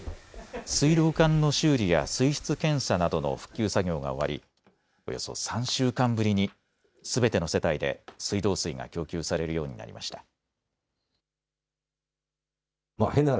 水道管の修理や水質検査などの復旧作業が終わりおよそ３週間ぶりにすべての世帯で水道水が供給されるようになりました。